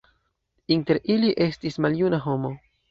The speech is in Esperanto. Inter ili estis maljuna homo.